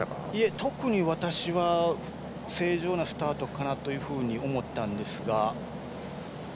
特に私は正常なスタートかなと思ったんですが。